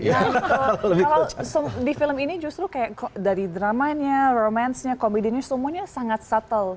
kalau di film ini justru kayak dari dramanya rohmansnya komedinya semuanya sangat settle